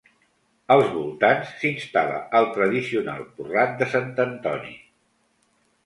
Als voltants s'instal·la el tradicional Porrat de Sant Antoni.